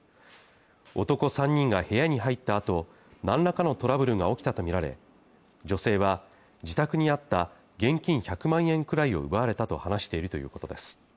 男３人が部屋に入ったあとなんらかのトラブルが起きたと見られ女性は自宅にあった現金１００万円くらいを奪われたと話しているということです